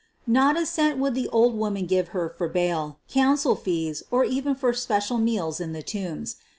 Not a cent would the old woman give her for bail, counsel fees, or even for special meals in the Tombs.